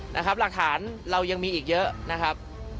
หลักฐานเรายังมีอีกเยอะนะครับ